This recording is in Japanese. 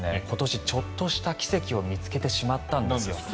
今年、ちょっとした奇跡を見つけてしまったんですよ。